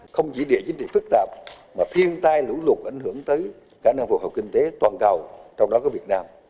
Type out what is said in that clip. không chỉ địa chính trị phức tạp mà thiên tai lũ lụt ảnh hưởng tới khả năng phục hợp kinh tế toàn cầu trong đó có việt nam